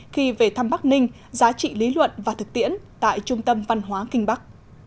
khi về thăm bắc ninh giá trị lý luận và thực tiễn tại trung tâm văn hóa kinh bắc